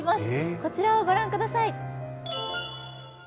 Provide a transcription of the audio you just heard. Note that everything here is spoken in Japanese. こちらを御覧ください。